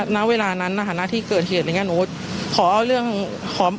ณเวลานั้นณที่เกิดเหตุอะไรอย่างนั้น